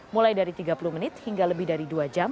mulai dari tiga puluh menit hingga lebih dari dua jam